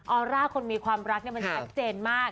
อร่าคนมีความรักมันชัดเจนมาก